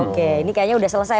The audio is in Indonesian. oke ini kayaknya sudah selesai